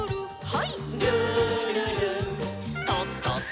はい。